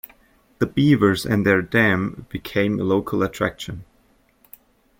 The beavers and their dam became a local attraction.